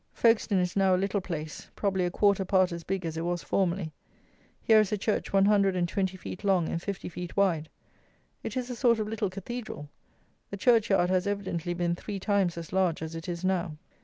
Folkestone is now a little place; probably a quarter part as big as it was formerly. Here is a church one hundred and twenty feet long and fifty feet wide. It is a sort of little Cathedral. The church yard has evidently been three times as large as it is now.